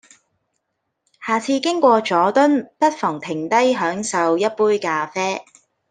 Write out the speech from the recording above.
下次經過佐敦，不妨停低享受一杯咖啡